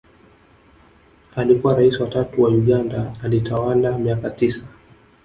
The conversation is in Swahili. Alikua raisi wa tatu wa Uganda alitawala miaka tisa